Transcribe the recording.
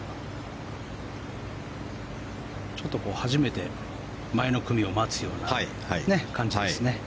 ちょっと初めて前の組を待つような感じですね。